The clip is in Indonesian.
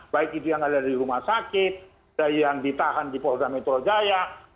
baik itu yang ada di rumah sakit ada yang ditahan di polda metro jaya